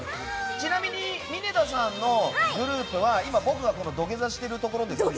ちなみに峯田さんのグループは今、僕が土下座しているところですね。